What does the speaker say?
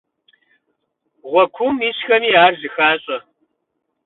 Гъуэ куум исхэми ар зыхащӀэ.